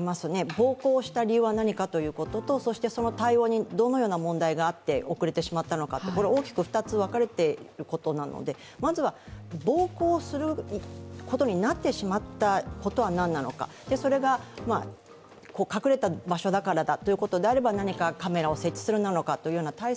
暴行をした理由は何かということと、その対応にどのような問題があって遅れてしまったのか大きく２つ分かれていることなのでまずは暴行することになってしまったことは何なのか、それが隠れた場所だからだということであれば何かカメラを設置するなのかという対策